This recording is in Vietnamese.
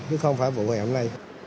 chứ không phải vụ hồi hôm nay